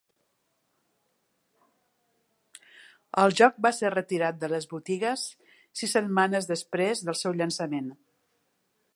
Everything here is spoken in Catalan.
El joc va ser retirat de les botigues sis setmanes després del seu llançament.